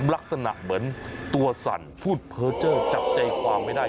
ลักษณะเหมือนตัวสั่นพูดเพอร์เจอร์จับใจความไม่ได้